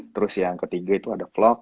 terus yang ketiga itu ada vlog